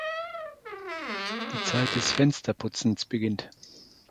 Die Zeit des Fensterputzens beginnt.